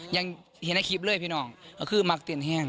ยังเห็นในคลิปเลยพี่น้องก็คือมักเตือนแห้ง